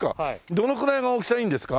どのくらいが大きさいいんですか？